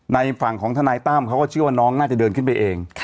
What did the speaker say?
ในฝั่งของทนายตั้มเขาก็เชื่อว่าน้องน่าจะเดินขึ้นไปเอง